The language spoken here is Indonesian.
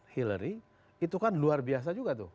hillary itu kan luar biasa juga tuh